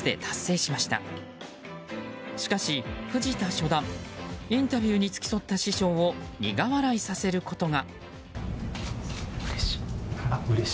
しかし、藤田初段インタビューに付き添った師匠を苦笑いさせることが。